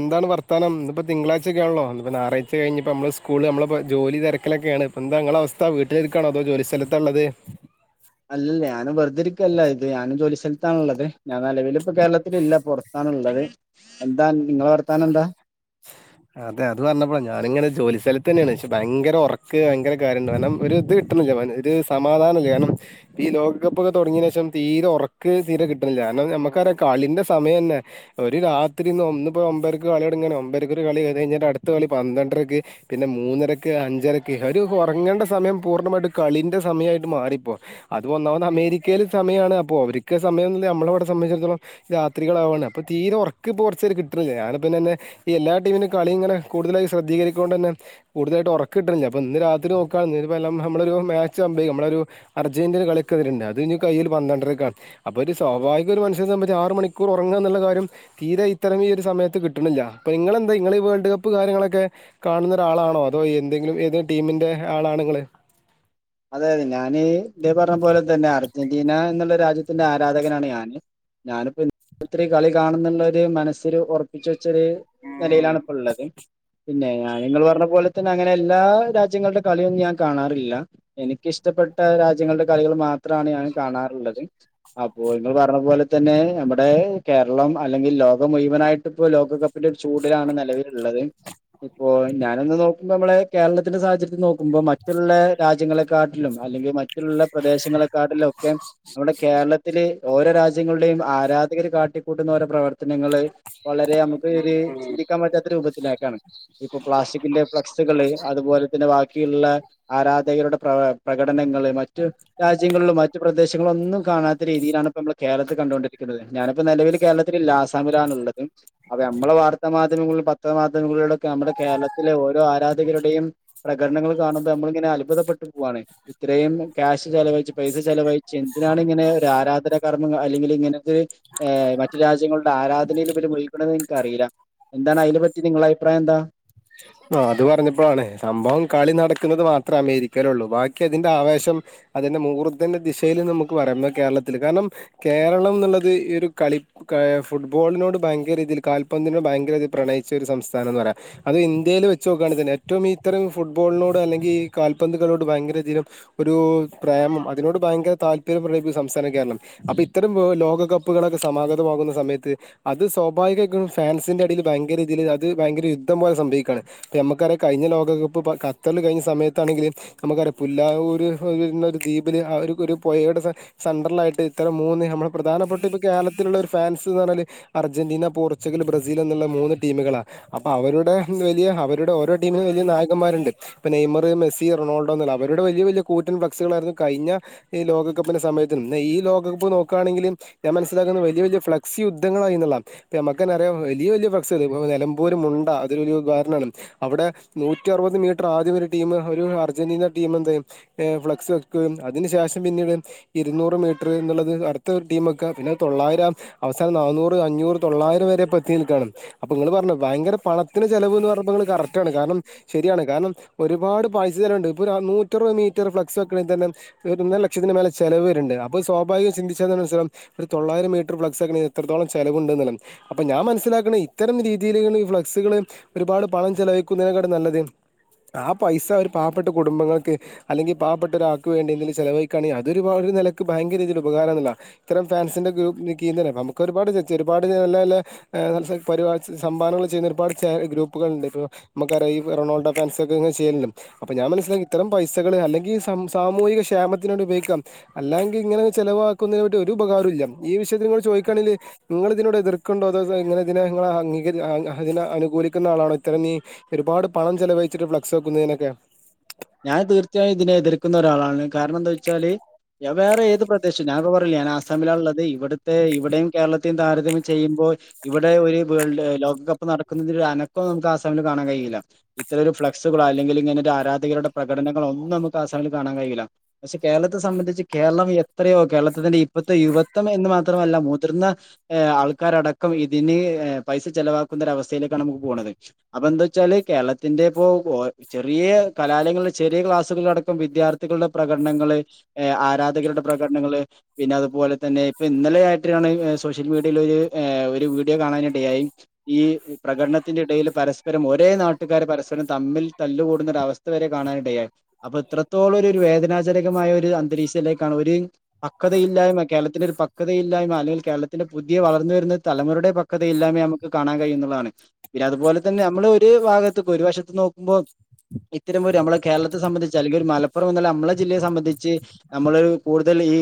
എന്താണ് വർത്താനം ഇന്നിപ്പോ തിങ്കളാഴ്ച ഒക്കെ ആണല്ലോ ഞായറാഴ്ച കഴിഞ്ഞപ്പോ നമ്മള് സ്കൂള് നമ്മള് ജോലി തിരക്കിലോക്കെയാണ് ഇപ്പോ എന്താ നിങ്ങളുടെ അവസ്ഥ വീട്ടിലിരിക്കാണോ അതോ ജോലി സ്ഥലത്തുള്ളത് അല്ലല്ല ഞാനും വെറുതെരിക്കല്ല ഇത് ഞാനും ജോലി സ്ഥലത്താണുള്ളത്. ഞാൻ നിലവിൽ ഇപ്പോ കേരളത്തിലില്ല പോറത്താണുള്ളത് എന്താ നിങ്ങളെ വർത്താന എന്താ? അതെ അത് പറഞ്ഞപ്പോഴ ഞാനിങ്ങനെ ജോലി സ്ഥലത്ത് തന്നെയാണ് പക്ഷേ ഭയങ്കര ഉറക്ക് ഭയങ്കര കാര്യണ്ട് കാരണം ഒരു ഇത് കിട്ടുന്നില്ല ഒരു സമാധാനയില്ല കാരണം ഈ ലോകകപ്പ് ഒക്കെ തുടങ്ങിയതിന് ശേഷം തീരെ ഉറക്ക് തീരെ കിട്ടണില്ല കാരണം നമ്മുക്കറിയാം കളിന്റെ സമയം തന്നെ ഒരു രാത്രിന്ന് ഒന്ന് ഒമ്പരക്ക് കളി തുടങ്ങ ഒമ്പ ഒരു കളി കഴിഞ്ഞിട്ട് അടുത്ത കളി പന്ത്രണ്ടരക്ക് പിന്നെ മൂന്നരക്ക്, അഞ്ചരക്ക് ഒരു ഉറങ്ങേണ്ട സമയം പൂർണ്ണമായിട്ട് കളീന്റെ സമയമായിട്ട് മാറിപ്പോ അത് ഒന്നാമത് അമേരിക്കയിൽ സമയമാണ് അപ്പോൾ അവർക്ക് സമയംന്ന നമ്മളെ അവിടെ സംബന്ധിച്ചിടത്തോളം രാത്രികള് ആവാണ് അപ്പൊ തീരെ ഉറക്ക് ഇപ്പ കുറച്ചൊരു കിട്ടണില്ല ഞാനിപ്പപ്പിന്നെ ഈ എല്ലാ ടീമിനും കളിയിങ്ങനെ കൂടുതായി ശ്രദ്ധികരിക്കണകൊണ്ട് തന്നെ കൂടുതായിട്ട് ഉറക്കിട്ടണില്ല അപ്പം ഇന്ന് രാത്രില് നോക്കുകാണ് ഇതിപ്പോ എല്ലാം നമ്മളൊരു മാച്ചാവുമ്പോ നമ്മളൊരു അർജന്റീന കളിക്കാരുണ്ട് അതിനി കളി പന്ത്രണ്ടരക്കാണ് അപ്പോൾ ഒരു സ്വാഭാവികം ഒരു മനുഷ്യനെ സംബന്ധിച്ച് ആറ് മണിക്കുറ് ഉറങ്ങാ എന്നുള്ള കാര്യം തീരെ ഇത്തരം ഈ ഒരു സമയത്ത് കിട്ടണില്ല അപ്പൊ നിങ്ങളെന്താ നിങ്ങള് ഈ വേൾഡ് കപ്പ് കാര്യങ്ങളൊക്കെ കാണുന്ന ഒരാളാണോ അതോ എന്തെങ്കിലും ഏതെ ടീമിന്റെ ആളാണോ നിങ്ങള് അതെ അതെ ഞാന് ഇതേ പറഞ്ഞ പോലെതന്നെ അർജ അർജന്റീന എന്നുള്ള രാജ്യത്തിന്റെ ആരാധകനാണ് ഞാന് ഞാനിപ്പോ ഇ രാത്രി കളി കാണുന്നുള്ളൊരു മനസ്സില് ഉറപ്പിച്ച് ച്ചരു നിലയിലാണ് ഇപ്പോ ഉള്ളത് പിന്നെ ഞാൻ നിങ്ങൾ പറഞ്ഞ പോലെ തന്നെ അങ്ങനെ എല്ലാ രാജ്യങ്ങളുടെ കളിയൊന്നും ഞാൻ കാണാറില്ല എനിക്കിഷ്ടപ്പെട്ട രാജ്യങ്ങളുടെ കളികൾ മാത്രമാണ് ഞാൻ കാണാറുള്ളത് അപ്പോ ഇങ്ങള് പറഞ്ഞ പോലെ തന്നെ നമ്മുടെ കേരളം അല്ലെങ്കിൽ ലോകം മുയുവനായിട്ടിപ്പോ ലോകകപ്പിന്റെ ചൂടിലാണ് നിലവിലുള്ളത് ഇപ്പോ ഞാനൊന്നു നോക്കുമ്പോ നമ്മുടെ കേരളത്തിന്റെ സാഹചര്യത്തിൽ നോക്ക് മുമ്പ് മറ്റുള്ള രാജ്യങ്ങളെ കാട്ടിലും അല്ലെങ്കിൽ മുള്ള പ്രദേശങ്ങളെക്കാട്ടിലും ഒക്കെ നമ്മുടെ കേരളത്തില് ഓരോ രാജ്യങ്ങളുടെേയും ആരാധകര് കാട്ടിക്കൂട്ടുന്നഓരോ പ്രവർത്ത നങ്ങൾ വളരെ നമുക്ക് ചിന്തിക്കാൻ പറ്റാത്ത രൂപത്തിലക്കാണ് ഇപ്പൊ പ്ലാസ്റ്റിക്കിന്റെ ഫ്ലക്സുകള് അതുപോലെ തന്നെ ബാക്കിയുള്ള ആരാധകരുടെ പ്ര പ്രകടനങ്ങൾ മറ്റു രാജ്യങ്ങളിലും മറ്റ പ്രദേശ റ്റ്ങ്ങളൊന്നും കാണാത്ത രീതിയിലാണ് ഇപ്പോ നമ്മൾ കേരളത്തി കണ്ടുകൊണ്ടിരിക്കുന്നത്. ഞാനിപ്പോ നിലവിൽ കേരളത്തില് ല്ല ആസാമിലാണുള്ളത് അപ നമ്മളെ വാർത്താ മാധ്യമങ്ങളും പത്രമാധ്യമങ്ങളുടെ നമ്മുടെ കേരളത്തിലെ ഓരോ ആരാധകരുടെയും പ്രകടനങ്ങൾ കാണുമ്പോ നമ്മളിങ്ങനെ അത്ഭുതപ്പെട് പോവാണേ ഇത്രയും ക്യാഷ് ചെലവയിച്ച് പൈസ ചെലവയിച്ച് എന്തിനാണിങ്ങനെ ഒരു ആരാധന കർ [unintelligible] അല്ലെങ്കിലിങ്ങനെ ഇതു ഏ മറ്റു രാജ്യങ്ങളുടെ ആരാധനയിലും ഇവല് വിളിക്കണത് ക്ക് അറിയില്ല എന്താണ് അതിനെ പറ്റി നിങ്ങളഭിപ്രായെന്താ ആ അത് പറഞ്ഞപ്പഴാണ് സംഭവം കളി നടക്കുന്നത് മാത്രം അമേരിക്കേലൊള്ളൂ ബാക്കി അതിന്റെ ആവേശം അതിന്റെ മുഹൂർത്തന്റെ ദിശേല് നമുക്ക് പറയാ കേരളത്തില് കാരണം കേരളംന്ന്ള്ളത് ഈ ഒരു കളി ഫുട്ബോളിനോട് ഭയങ്കര ഇതിൽ കാൽപന്തിനോട് ഭയങ്കര ഇ പ്രണയിച്ച ഒരു സംസ്ഥാനംന്ന് പറയാ അത് ഇന്ത്യേല് വെച്ച് നോക്കാണെങ്കി തന്നെ ഏറ്റവും ഇത്തരം ഫുട്ബോളിനോട് അല്ലെങ്കി കാൽപന്തുകളോട് ഭയങ്കരധികം ഒരു പ്രേമം അതിനോട് ഭയങ്കര താല്പര്യം ഒരു സംസ്ഥാന കേരളം അപ്പം ഇത്തരം ലോകകപ്പുകളൊക്കെ സമാഗതമാകുന്ന സമയത്ത് അത് സ്വാഭാവികമായിട്ടും ഫാൻസിന്റെടെല് ഭയങ്കരതില് അത് ഭയങ്കര ഇഷ്ടം പോലെ സംഭവിക്കാണ് നമുക്കറിയാം കഴിഞ്ഞ ലോകകപ്പ് കത്തറില് കഴിഞ്ഞ സമയത്താണെങ്കിലും നമുക്കറിയാം പുല്ലാവൂര് ഒരു ന്ന ദ്വീപില് ആ ഒരു ഒരു പുയയുടെ സെന്ററിലായിട്ട് ഇത്തരം മൂന്ന് നമ്മൾ പ്രധാനപ്പെട്ട ഇപ്പ കേരളത്തിലുള്ള ഒരു ഫാൻസ് ന്ന് പറഞ്ഞാല് അർജന്റീന, പോർച്ചുഗൽ, ബ്രസീൽ ന്നുള്ള മൂന്ന് ടീമുകളാണ് അപ്പോ അവരുടെ വെല്യ അവരുടെ ഓരോ ടീമിനും വെല്യ നായകന്മാര്ണ്ട് ഇപ്പോ നെയ്മർ, മെസ്സി, റൊണാൾഡോ ന്ന്ള്ള അവരുടെ വെല്യ വെല്യ കൂറ്റൻ ഫ്ളക്സുകളായിരുന്നു കഴിഞ്ഞ ഈ ലോകപ്പിന് സമയത്ത് ന്ന ഈ ലോകപ്പ് നോക്കാണെങ്കില് ഞാൻ മനസ്സിലാക്കുന്ന വെല്യ വെല്യ ഫ്ലക്സി യുദ്ധങ്ങളായിന്ന് ള്ള ഇപ്പ നമ്മക്കറിയ വല്യ വല്യ ഫ്ലക്സ് നെലമ്പൂ മുണ്ട അതിനൊരു ഉദാരനാണ് അവിടെ നൂറ്ററുപത് മീറ്റർ ആദ്യം ഒരു ടീം ഒരു അർജന്റീന ടീം എന്തെയ്യും ഏ ഫ്ലക്സ് വെക്കുകയും അതിന് ശേഷം പിന്നീട് ഇരുന്നൂറ് മീറ്റർ ന്നുള്ളത് അടുത്ത ടീമൊക്കെ പിന്നെ തൊള്ളായിരം അവസാനം നാന്നൂറ് അഞ്ഞൂറ് തൊള്ളായിരം വരെ പറ്റ ത്തിൽ കാണും അപ്പൊ ങ്ങള് പറഞ്ഞോ ഭയങ്കര പണത്തിന് ചെലവ് ന്ന് പറ പ്പൊ ങ്ങള് കറക്റ്റാണ് കാരണം ശെരിയാണ് കാരണം ഒരുപാട് പൈസ ചെലവ്ണ്ട് ഇപ്പോ നൂറ്ററപത് മീറ്റർ ഫ്ലക്സ് വെക്കണെങ്കിത്തെന്നെ ഒന്നര ലക്ഷത്തി മേലെ ചെലവ് വെര്ണ് ണ്ട് അപ്പൊ സ്വാഭാവികം ചിന്തിച്ചാത്തെന്നെ മനസ്സിലാവും ഒരു തൊള്ളായിരം മീറ്റർ ഫ്ളക്സ് വെക്കണെങ്കി എത്രത്തോളം ചെലവ്ണ്ട് ന്ന്ള്ളത് അപ്പ ഞാൻ മനസ്സിലാക്കണത് ഇത്തരം രീ ഈ രീതി ഈ ഫ്ലക്സുകള് ഒരുപാട് പണം ചെലവഴിക്കുന്നതിനേക്കാട്ടും നല്ലത് ആ പൈസ ഒരു പാവപ്പെട്ട കുടുംബങ്ങക്ക് അല്ലെങ്കിൽ പാവപ്പെട്ട ഒരാൾക്ക് വേണ്ടി എന്തെലും ചെലവഴിക്കാണെങ്കിൽ അതൊ ഒരു നിലക്ക് ഭയങ്കര രീതിയിൽ ഉപകാരന്ന്ള്ളതാ ഇത്തരം ഫാൻസിന്റെ ഗ്രൂപ്പ് [unintelligible] നമുക്കൊരുപാട് ചച്ച ഒരുപാട് നല്ല നല്ലെ ഫാ ൻസ് സംഭാവനകൾ ചെയ്യുന്ന ഒരുപാട് ഗ്രൂപ്പുകൾണ്ട് ഇപ്പോ നമുക്കറിയ റൊണാൾഡോ ഫാൻസോക്കെങ്ങനെ ചെയ്യലണ്ട് അപ്പൊ ഞാൻ മനസ്സില ഇത്തരം പൈസകള് അല്ലെങ്കി ഈ സാമൂഹിക ക്ഷേമത്തിനോട് ഉപയോഗിക്കാം അല്ലെങ്കിൽ ഇങ്ങനെ ചെലവാക്കുന്നതിനെ പറ്റി ഒരു ഉപകാരുല്ല ഈ ട് ചോയ്ക്കാണെങ്കിൽ ങ്ങള് ഇതിനോട് എതിർ ക്ക്ണ്ടോ അതോ ങ്ങനെ തിനെ അംഗീക എനി അതിനെ അനുകൂലിക്കുന്ന ആളാണോ ഇത്തരം നീ ഒരുപാട് പണം ചെലവഴിച്ചിട്ട് ഫ്ളക്സ് വെക്കുന്നതിനൊക്കെ ഞാൻ തീർച്ചയായും ഇതിനെ എതിർക്കുന്ന ഒരാളാണ് കാരണം എന്താ വെച്ചാല് ഞാ വേറെ ഏത് പ്രദേശം ഞാനൊക്കെ പറഞ്ഞില്ലെ ഞാൻ ആസാമിലാ ള്ളത് ഇവിടുത്തെ ഇവിടെയും കേരളത്തെയും താരതമ്യം ചെയ്യുമ്പോൾ ഇവിടെ ഒരു വേൾഡ് ലോകകപ്പ് നടക്കുന്നതി ഒരു അനക്കം നമുക്ക് ആസാമിൽ കാണാൻ കഴിയില്ല ഇത്തരം ഒരു ഫ്ലെക്സുകൾ അല്ലെങ്കിൽ ഇങ്ങനെ ഒരു ആരാധകരുടെ പ്രകടനങ്ങളൊന്നും നമുക്ക് ആസാമിൽ കാണാൻ കഴിയില്ല പക്ഷെ കേരളത്തെ സംബന്ധിച്ച് കേരളം എത്രയോ കേരളത്തിത്തിന്റെ ഇപ്പഴത്തെ യുവത്വം എന്ന് മാത്രമല്ല മുതിർന്ന ആൾക്കാരടക്കം ഇതിന് പൈസ ചെലവാക്കുന്നരവസ്ഥയിലേക്കാണ് നമുക്ക് പോണത് അപ്പ എന്താ വെച്ചാല് കേരളത്തിന്റെ ഇപ്പോ ചെറിയ കലാലയങ്ങള് ചെറിയ ക്ലാസ്സുകളിലടക്കം വിദ്യാർത്ഥികളുടെ പ്രകടനങ്ങൾ ഏഹ് ആരാധകരുടെ പ്രകടനങ്ങൾ പിന്നെ അതുപോലെ തന്നെ ഇപ്പൊ ഇന്നലെ ആയിട്ടാണ് ഏഹ് സോഷ്യൽ മീഡിയയിൽ ഏഹ് ഒരു വീഡിയോ കാണാനിടയായി ഈ പ്രകടനത്തിന്റെ ഇടയിൽ പരസ്പരം ഒരേ നാട്ടുകാർ പരസ്പരം തമ്മിൽ തല്ലുകൂടുന്നൊര അവസ്ഥ വരെ കാണാനിടയായി അപ്പൊ ഇത്രത്തോളം ഒരു വേദനാജനകമായ ഒരു അന്തരീക്ഷേ ഒരു പക്തയില്ലായ്മ കേരളത്തിന്റെ ഒരു പക്തയില്ലായ്മ അല്ലെങ്കിൽ കേരളത്തിന്റെ പുതിയ വളർന്ന വരുന്ന തലമുറയുടെ പക്തയില്ലായ്മ നമുക്ക് കാണാൻ കഴിയുന്നുള്ളതാണ് പിന്നെ അതുപോലെ തന്നെ നമ്മള് ഒരു ഭാഗത്ത ഒരു വശത്ത് നോക്കുമ്പോ [unintelligible] പോല നമ്മള കേരളത്തെ സംബന്ധിച്ച് അല്ലെങ്കിൽ ഒരു മലപ്പുറം [unintelligible] നമ്മളെ ജില്ലയ സംബന്ധിച്ച് നമ്മളൊ കൂടുതൽ ഈ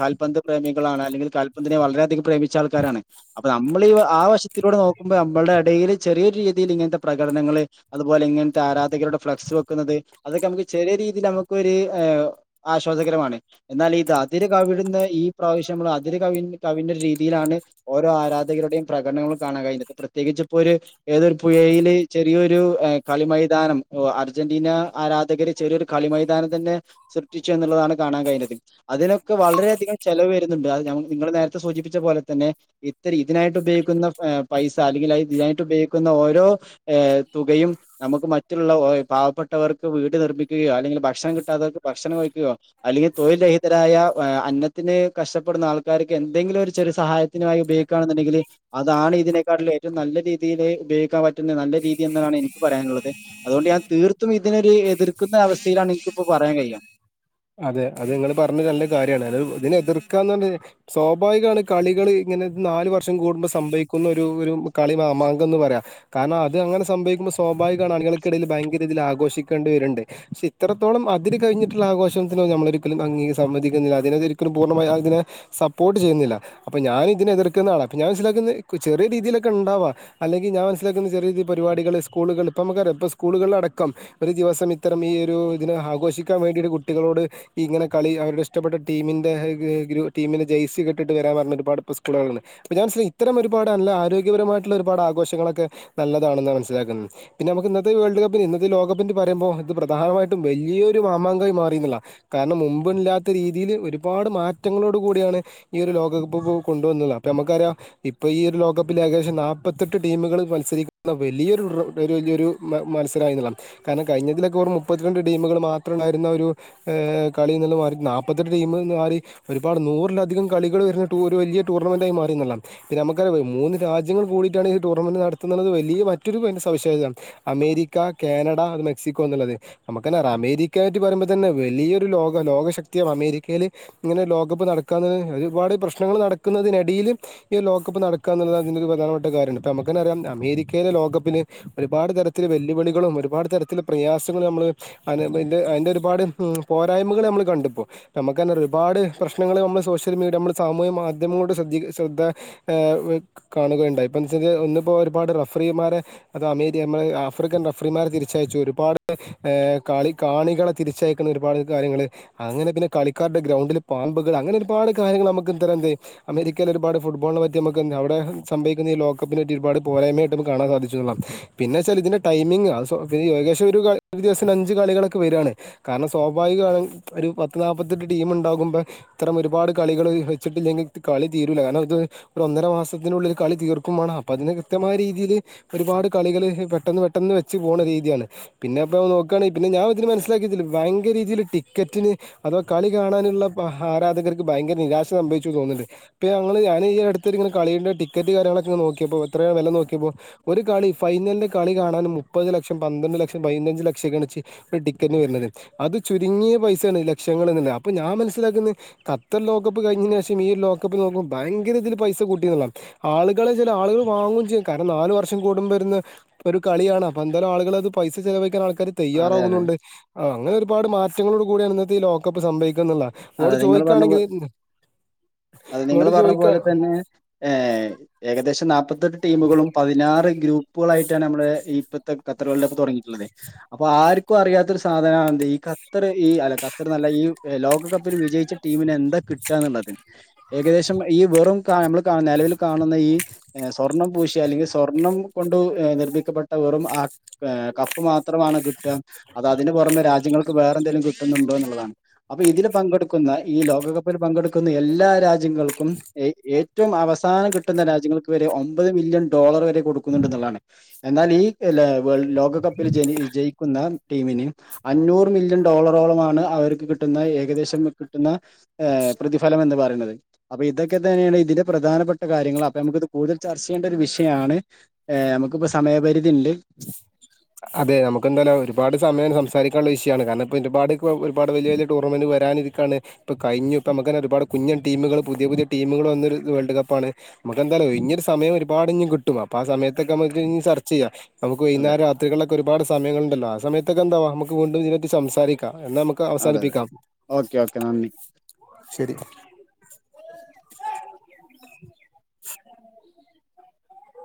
കാൽ പന്തു പ്രേമികളാണ് അല്ലെങ്കിൽ കാൽപന്തിനിനെ വളരെയധികം പ്രേമിച്ച ആൾക്കാരാണ് അപ്പൊ നമ്മൾ ഈ ആ വശത്തിലൂടെ നോക്കുമ്പോൾ നമ്മള ഇടയിൽ ചെറിയൊരു രീതിൽ ഇങ്ങനത്തെ പ്രകടനങ്ങള് അതുപോലെ ഇങ്ങനത്തെ ആരാധകരുടെ ഫ്ലെക്സ് വെക്കുന്നത് അതൊക്കെ നമുക്ക് ചെറിയ രീതിയിൽ നമുക്കൊരു ഏഹ് ആശ്വാസകരമാണ് എന്നാൽ ഇത് അതിര് കവിടുന്ന ഈ പ്രാവശ്യംൾ അതിര് കവി കവിഞാ രീതിയിലാണ് ഓരോ ആരാധകരുടെയും പ്രകടനങ്ങളും കാണാൻ കഴിഞ്ഞത് പ്രത്യേകിച്ചപ്പോ രു ഏതൊരു പുഴയില് ചെറിയ ഒരു കളിമൈതാനം അർജന്റീന ആരാധകരെ ചെറിയൊരു കളിമൈതാനം തന്നെ സൃഷ്ടിച്ചു എന്നുള്ളതാണ് കാണാൻ കഴിഞ്ഞത് അതിനൊക്കെ വളരെയധികം ചെലവ് വരുന്നുണ്ട് അത് ഞ നിങ്ങൾ നേരത്തെ സൂചിപ്പിച്ച പോലെ തന്നെ ഇത്ര ഇതിനായിട്ട ഉപയോഗിക്കുന്ന പൈസ അല്ലെങ്കിൽ ഇതിനായിട്ട ഉപയോഗിക്കുന്ന ഓരോ തുകയും നമുക്ക് മറ്റുള്ള പാവപ്പെട്ടവർക്ക് വീട് നിർമ്മിക്കുകയോ അല്ലെങ്കിൽ ഭക്ഷണം കിട്ടാത്തവർക്ക് ഭക്ഷണം കഴിക്കുകയോ അല്ലെങ്കിൽ തൊഴിൽ രഹിതരായ അന്നത്തിന് കഷ്ടപ്പെടുന്ന ആൾക്കാർക്ക് എന്തെങ്കിലും ഒരു ചെറിയ സഹായത്തിനുമായി ഉപയോഗിക്കുക എന്നുണ്ടെങ്കിൽ അതാണ് ഇതിനെക്കാട്ടിൽ ഏറ്റവും നല്ല രീതിയിൽ ഉപയോഗിക്കാൻ പറ്റുന്ന നല്ല രീതിയ എന്നാണ് എനിക്ക് പറയാനുള്ളത് അതൊണ്ട് ഞാൻ തീർത്തും ഇതിനൊരു എതിർക്കുന്ന അവസ്ഥയിലാണ് എനക്ക്പ്പോ പറയാൻ കഴിയാം അതെ അത് നിങ്ങൾ പറഞ്ഞത് നല്ല കാര്യണ് അത് ഇതിനെ എതിർക്കാന്ന് പറ സ്വാഭാവികമാണ് കളികള് ഇങ്ങനെ നാല് വർഷം കൂടുമ്പോൾ സംഭവിക്കുന്ന ഒരു കളി മാമാങ്കം എന്ന് പറയാ കാരണം അത് അങ്ങനെ സംഭവിക്കുമ്പോൾ സ്വാഭാവികമാണ് അണികൾക്കിടയിൽ ഭയങ്കര ഇതിൽ ആഘോഷിക്കേണ്ടി വരുണ്ട് പക്ഷെ ഇത്രത്തോളം അതിന് കഴിഞ്ഞിട്ടുള്ള ആഘോ [unintelligible] നമ്മള ഒരിക്കലും അ സംവദിക്കുന്നില്ല അതിനൊലുംപൂർണ്ണമായി അതിന സപ്പോർട്ട് ചെയ്യുന്നില്ല അപ്പ ഞാന് ഇതിനെതിർക്കുന്നതാന്നാളാ ഞാൻ മസ്സിലാക്കുന്നത് ചെറിയ രീതിയിലൊക്കെ ഇണ്ടാവാ അല്ലെങ്കിൽ ഞാൻ മനസിലുന്ന ചെറിയ രീതി പരിപാടികൾ സ്കൂളൾപ്പോൾ നമുക്കറിയാം ഇപ്പോൾ സ്കൂളുകളടക്കം ഒരു ദിവസം ഇത്തരം ഈ ഒരു ഇദിനെ ആഘോഷിക്കാൻ വേണ്ടിട്ട കു കുട്ടികളോട് ഇങ്ങനെ കളി അവരുടെഷ്ടപ്പെട്ട ടീമിന്റെ ടീമിന്റെ ജയ്‌സി ഇട്ടിട്ട് വരാൻ പറഞ്ഞ ഒരുപാട് സ്കൂളുകൾ ഞാൻ മനസില ഇത്തരം ഒരുപാട് നല്ല ആരോഗ്യപരമായിട്ടുള്ള ഒരുപാട്ഘോഷങ്ങളൊക്കെ നല്ലതാണാണ് മനസ്സിലാക്കുന്നത് പിന്നെ നമുക്ക് ഇന്നത്തെ വേൾഡ് കപ്പിന് ഇന്നത്തെ ലോകപ്പി പറയുമ്പോൾ ഇത് പ്രധാനമായിട്ടും വല്ല്യരു മാമാങ്കമായി മാറി കാരണം മുബ് ഇല്ലാത്ത രീതിയിൽ ഒരുപാട് മാറ്റങ്ങളോട് കൂടിയാണ് ഈ ഒരു ലോകകപ്പ് കൊണ്ടുവന്നത് അപ്പോം നമുക്കറിയാം ഇപ്പൾ ഈ ഒരു ലോകകപ്പിൽ ഏകദേശം നാൽപത്തെട്ട് ടീമുകൾ മത്സരിക്കുന്ന വലിയൊരു വലിയൊരു മത്സരായിരുന്നുള്ള കാരണം കഴിഞ്ഞത്തിലൊക്കെറ മുപ്പത്തിരണ്ട് ടീമുകൾ മാത്രം ഉണ്ടായിരുന്ന ഒരു ഏഹ് കളി മാ നാപ്പത്തെട്ട് ടീമന്ന് മാറി ഒരുപാട് നൂറിലധികം കളികൾ വരുന്ന ഒരു വലിയ ടൂർണമെന്റായി മാറി ഇത് നമുക്കറിയ മൂന്ന് രാജ്യങ്ങൾ കൂടിയിട്ടാണ് ഈ ടൂർണമെന്റ് നടത്തത് വല്യ രു മറ്റൊരു സവിശേഷത അമേരിക്ക കാനഡ അ മെക്സിക്കോ എന്നുള്ളത് നമുക്ക ന്നെ അറിയാം അമേരിക്കായിട്ട് പറയുമ്പോ തന്നെ വലിയൊരു ലോക ലോകശക്തിയാാണ് അമേരിക്കയിൽ ഇങ്ങനെ ലോകകപ്പ് നടക്കാ ഒരുപാട് പ്രശ്നങ്ങൾ നടക്കുന്നതിനിടിയിൽ ഈ ലോകകപ്പ് നടക്കുക എന്നുള്ളതാണ് അതിൻ്റെ ഒരു പ്രധാനപ്പെട്ട കാര്യണ്ട് ഇപ്പോൾ നമുക്ക തന്നെ അറിയാം അമേരിക്കയിലെ ലോകകപ്പിന് ഒരുപാട് തരത്തിലെ വെല്ലുവിളികളും ഒരുപാട് തരത്തിലൽ പ്രയാസങ്ങളും നമ്മൾ അതിൻ്റെ ഒരു ഒരുപാട് പോരായ്മകൾ നമ്മൾ കണ്ടിപ്പോൾ നമുക്ക് തന്നെ ഒരുപാട് പ്രശ്നങ്ങൾ നമ്മൾ സോഷ്യൽ മീഡിയ നമ്മൾ സാമൂഹ്യ മാധ്യമങ്ങളോട് ശ്രദ്ധ ശ്രദ്ധ ഏഹ് കാണുകയുണ്ടായി ഇപ്പോഴ വെച്ചാൽ ഒന്നിപ്പോൾ ഒരുപാട് റഫറിമാരെ അത് അമേ ആഫ്രിക്കൻ റഫറിമാരെ തിരിച്ചയച്ചു ഒരുപാട് കളി കാണികളെ തിരിച്ചയക്കുന്ന ഒരുപാട് കാര്യങ്ങള് അങ്ങനെ പിന്നെ കളിക്കാരുടെ ഗ്രൗണ്ടിൽ പാമ്പുകൾ അങ്ങനെ ഒരുപാട് കാര്യൾ നമുക്ക് ഇന്ന തം എന്ത അമേരിക്കയിൽ ഒരുപാട് ഫുഡ്ബോളിനെ പറ്റി നമുക്ക് എഹ് അവിടെ സംഭവിക്കുന്ന ഈ ലോക്കപ്പിനെറ്റ ഒരുപാട് പോരായ്മട നുമു ക്ക് കാണാൻ സാധിച്ചത പിന്ന വെച്ചൽ ഇതിൻന്റെ ടൈമിംഗങ് പി ഏകശം ഒരു ദിവസം അഞ്ച് കളൊക്കെ വരിയാണ് കാരണം സ്വാഭാവിക ഒരു പത്ത് നാല്പത്തെട്ട് ടീം ഇണ്ടാകുമ്പോ ഇത്തരം ഒരുപാട് കളികൾ വെച്ചിട്ടില്ലെങ്കിൽ കളി തീരൂല്ല കാരണം ഇത് ഒരു ഒന്നര മാസത്തിനുള്ള ഒരു കളി തീർക്കും മാണം അപ്പൊ അതിന് കൃത്യമായ രീതിയിയില് ഒരുപാട് കളികള് പെട്ടെന്ന് പെട്ടെന്ന് വെച്ച് പോണ രീതിയാണ് പിന്നെ ഇപ്പോ നോക്കുകയാണെങ്കിൽ പിന്നെ ഞാൻ ഇതിന് മന ഭയങ്ക രീതിയിൽ ടിക്കറ്റിന് അഥവാ കളി കാണാനുള്ള ആരാധകർക്ക് ഭയങ്ക നിരാശ സംഭവിച്ചു തോന്നുന്നുണ്ട് ഇപ്പോ ഞങ്ങള് ഞൻ ഈ അടുത്ത് ഇങ്ങന കളിയുണ്ട് ടിക്കറ്റ് കാര്യങ്ങളൊക്കെ നോക്കിയപ്പോൾ എത്രയ വില നോക്കിയപ്പോൾ ഒരു കളി ഫൈനലിന്റെ കളി കാണാനൻ മുപ്പത് ലക്ഷം പന്ത്രണ്ട് ലക്ഷം പതിനഞ്ചച് ലക്ഷംക്കെണച്ച് ഒരു ടി വരുന്നത് അത് ചുരുങ്ങിയ പൈസയാണ് ലക്ഷങ്ങ അപ്പൊ ഞാൻ മനസ്സിലാക്കുന്നത് ഖത്തർ ലോകകപ്പ് കഴിഞ്ഞതിനന് ശേഷം ഈ ലോകകപ്പ് നോക്കുമ്പോ ഭങ്കര ഇതിൽ പൈസ കൂട്ടി ആൾ ചില ആുകൾ വാങ്ങും ചെയ്യും ക ഇ നാല് വർഷം കൂടുമ്പോര്ന്ന് ഒരു കളിയാണ് അപ്പന്തെലു ആളുകള് അത് പൈസ ചെലവയ്‌ക്കാ ആ ക്കാര് അതെ അതെ തയ്യറാവുന്നുണ്ട് ആ അങ്ങനെ ഒരുപാട് മാറ്റങ്ങളോട് കൂടാണ് ഇന്നത്തെ ഈ ലോകപ്പ് സംഭവി അതെ തെ ങ്ങള് പർഞ്ഞ പൊ അതെ നിങ്ങള് ഇങ്ങോട് പർഞ്ഞ ചോദിക്ക പോലെ തന്നെ ഏ ഏകദേശം നാപത്തെട്ട് ടീമുകളും പതിനാറ് ഗ്രൂപ്പുകളായിട്ടാണ് നമ്മുടെ ഇപ്പത്തെ ഖത്തറ് വേൾടപ്പ്‌ തൊടങ്ങിയിട്ട്ള്ളത്. അപ്പൊ ആർക്കും അറിയാത്തൊരു സാധനാന്തെ ഈ ഖത്തറ് ഈ അല ഖത്തറ് നല്ല എ ലോകകപ്പ് പ്പ്‌ല് വിജയിച്ച ടീമിന് എന്താ കിട്ട ന്ന്ള്ളത്. ഏകദേശം ഈ വെറും കാ നമ്മൾ കാ നെലവില് കാണുന്ന ഈ എ സ്വർണ്ണം പൂശിയ അല്ലെങ്കി സ്വർണം കൊണ്ട് നിർമ്മിക്കപ്പെ അഹ് വെറും അ എ കപ്പ് മാത്രമാണ് കിട്ട. അത് അതിന്റെ പുറമെ രാജ്യങ്ങൾക്ക് വേ പ്പന്തേലും കിട്ടുന്നുണ്ടോ ന്നുള്ളതാണ്. അപ്പൊ ഇതില പങ്കെടുക്കുന്ന ഈ ലോകകപ്പിൽ പങ്കെടുക്കുന്ന എല്ലാ രാജ്യങ്ങൾക്കും ഏ ഏറ്റവും അവസാനം കിട്ടുന്ന രാജ്യങ്ങൾക്ക് വരെ ഒമ്പത് മില്യൺ ഡോളർ വരെ കൊടുക്കുന്നുണ്ട് ന്നുള്ളാണ്. എന്നാൽ ഈ എ ലെ വേൾഡ് ലോകകപ്പിൽ ജനി ജയിക്കുന്ന ടീമിന് അഞ്ഞൂറ് മില്യൺ ഡോളറോളമാണ് അവർക്ക് കിട്ടുന്ന ഏകദേശ ട്ടുന്ന ഏ പ്രതിഫലം എന്ന് പറയുന്നത്. അപ്പൊ ഇതൊക്കെ തന്നെയാണ് ഇതിന്റെ പ്രധാനപ്പെട്ട കാര്യങ്ങൾ അപ്പൊ നമുക്ക് ഇത് കൂടുതൽ ചർചെയ്യേണ്ട ഒരു വിഷയാണ് ഏ നമുക്കിപ്പോ സമയപരിധിണ്ട് അതെ നമുക്ക് എന്താല ഒരുപാട് സമയം സംസാരിക്കാനുള്ള വിഷയാണ്. കാരണം ഇപ്പൊ ഒരുപാട് പ്പം ഒരുപാട് വല്ല്യോല് ടൂർമെന്റ് വെ ട്ടാനിരിക്കാണ് ഇപ്പൊ കയ്ഞ് പ മ്മക്കെന്നെ ഒരുപാട് കുഞ് തീമുകൾ പുതിയ പുതിയ ടീമുകളൊന്നൊരു ത് വേൾഡ് കപ്പാണ് നമുക്കെന്താലോ ഇഞ്ഞൊരു സമയഒരു പാട് ഞ്ഞും കിട്ടു അപ്പ ആ സമയത്തൊക്കെ നമക്ക്ൻ സർച്ച് ചെയ്യാ നമുക് അതെ വെയ്ന്നേര ഒക്കെ ഒരുപാട് സമയങ്ങള്ണ്ടല്ലൊ ആ സയത്തൊക്കെ എന്താവാ അമ്മക്ക് വീണ്ടും ഇതിനെ പറ്റി സംസാരിക്കാ അതെ അതെ ഓക്കെ ഓക്കെ നന്ദി ശരി